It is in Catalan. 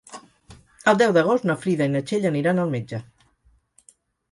El deu d'agost na Frida i na Txell aniran al metge.